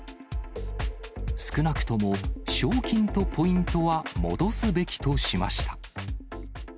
少なくとも賞金とポイントは戻すべきとしました。